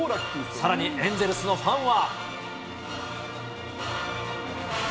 さらにエンゼルスのファンは。